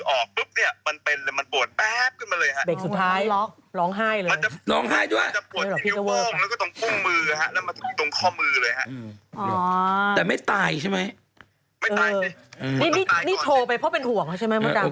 น้องไห้ด้วยไม่หรอกพี่จะเวิร์ดไปมันจะปวดที่นิ้วโบ้งแล้วก็ตรงปุ้งมืออะฮะแล้วมาถึงตรงข้อมือเลยฮะ